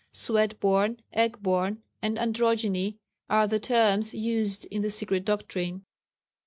Sweat born, egg born and Androgyne are the terms used in the Secret Doctrine.